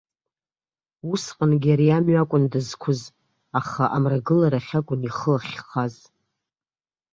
Усҟангьы ари амҩа акәын дызқәыз, аха амрагыларахь акәын ихы ахьхаз.